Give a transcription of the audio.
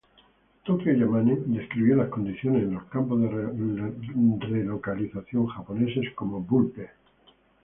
Tokio Yamane describió las condiciones en los campos de relocalización japoneses como ""bullpen"".